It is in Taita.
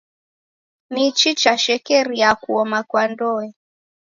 Niki chashekeria kuoma kwa ndoe